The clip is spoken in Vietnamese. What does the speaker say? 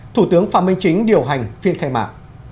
thủ tướng phạm minh chính điều hành phiên khai mạc